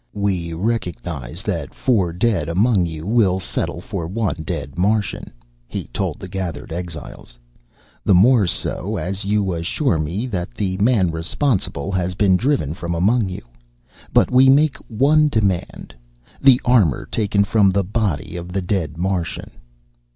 "We rrecognize that fourr dead among you will ssettle forr one dead Marrtian," he told the gathered exiles. "The morre sso ass you assurre me that the man rressponssible hass been drriven frrom among you. But we make one demand the arrmorr taken frrom the body of the dead Marrtian."